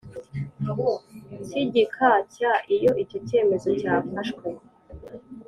K igika cya iyo icyo cyemezo cyafashwe